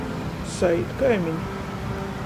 Saīt kaimini.